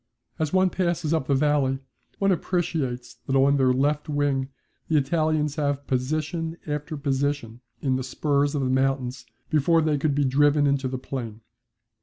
As one passes up the valley one appreciates that on their left wing the Italians have position after position in the spurs of the mountains before they could be driven into the plain.